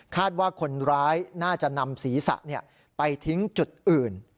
ว่าคนร้ายน่าจะนำศีรษะไปทิ้งจุดอื่น